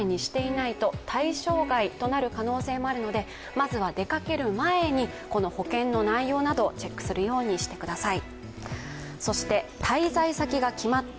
まずは出かける前に保険の内容などをチェックするようにしてください。